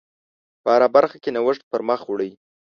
په هره برخه کې نوښت پر مخ وړئ.